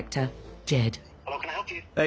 はい。